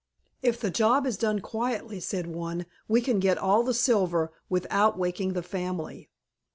"If the job is done quietly," said one, "we can get all the silver without waking the family."